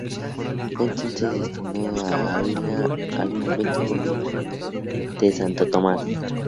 Fue entonces destinado a Ávila, al convento dominico de Santo Tomás.